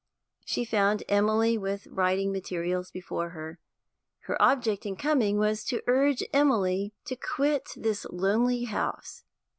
She found Emily with writing materials before her. Her object in coming was to urge Emily to quit this lonely house.